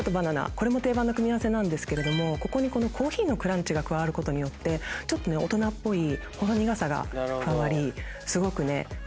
これも定番の組み合わせなんですけどここにコーヒーのクランチが加わることによって大人っぽいほろ苦さが加わりすごくね。